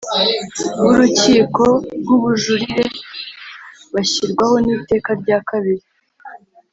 b Urukiko rw Ubujurire bashyirwaho n Iteka rya kabiri